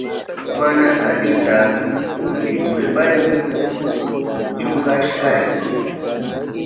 Mana alita millpushpayni chukashkani.